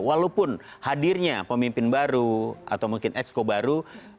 walaupun hadirnya pemimpin baru atau mungkin ex co baru